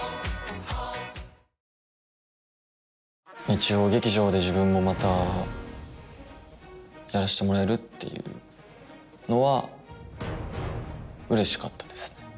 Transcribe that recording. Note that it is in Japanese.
日曜劇場で自分もまたやらせてもらえるっていうのは嬉しかったですね